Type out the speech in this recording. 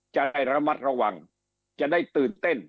จะได้ระมัดระวังจะได้ตื่นเต้น